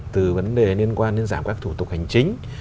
từ vấn đề liên quan đến giảm các thủ tục hành chính